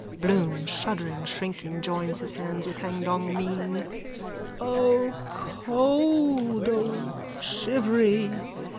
BLOOM: (Shuddering, shrinking, joins his hands: with hangdog mien.) O cold! O shivery!